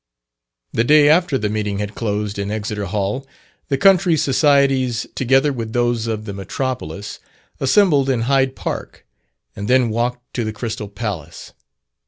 The day after the meeting had closed in Exeter Hall, the country societies, together with those of the metropolis, assembled in Hyde Park, and then walked to the Crystal Palace.